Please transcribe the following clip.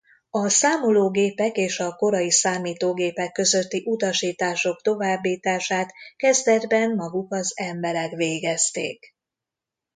A számológépek és a korai számítógépek közötti utasítások továbbítását kezdetben maguk az emberek végezték.